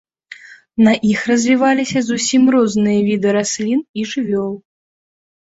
На іх развіваліся зусім розныя віды раслін і жывёл.